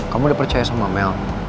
kamu udah percaya sama mel